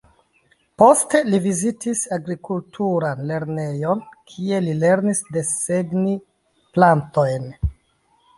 Poste li vizitis agrikulturan lernejon, kie li lernis desegni plantojn.